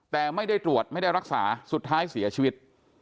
แต่ไม่ได้ตรวจไม่ได้รักษาสุดท้ายเสียชีวิต